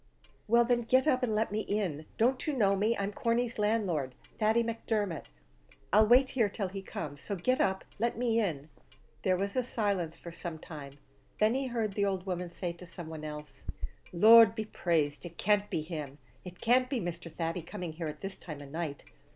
"Well, then, get up and let me in. Don't you know me? I'm Corney's landlord, Thady Macdermot. I'll wait here till he comes; so get up and let me in." There was a silence for some time; then he heard the old woman say to some one else, "The Lord be praised! It can't be him it can't be Mr. Thady coming here at this time of night.